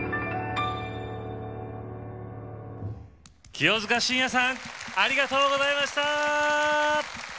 清塚信也さんありがとうございました。